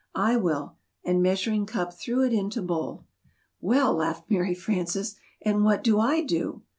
"I will!" and Measuring Cup threw it into Bowl. "Well," laughed Mary Frances, "and what do I do?"